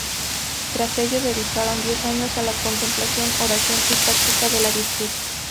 Tras ello, dedicaron diez años a la contemplación, oración y práctica de la virtud.